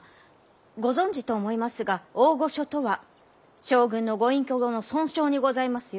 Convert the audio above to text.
ご存じと思いますが大御所とは将軍のご隠居後の尊称にございますよ。